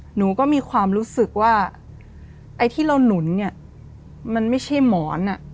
หนูก็มีความรู้สึกว่าไอ้ที่เราหนุนเนี่ยมันไม่ใช่หมอน